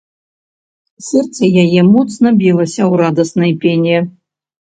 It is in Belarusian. Сэрца яе моцна білася ў радаснай пене.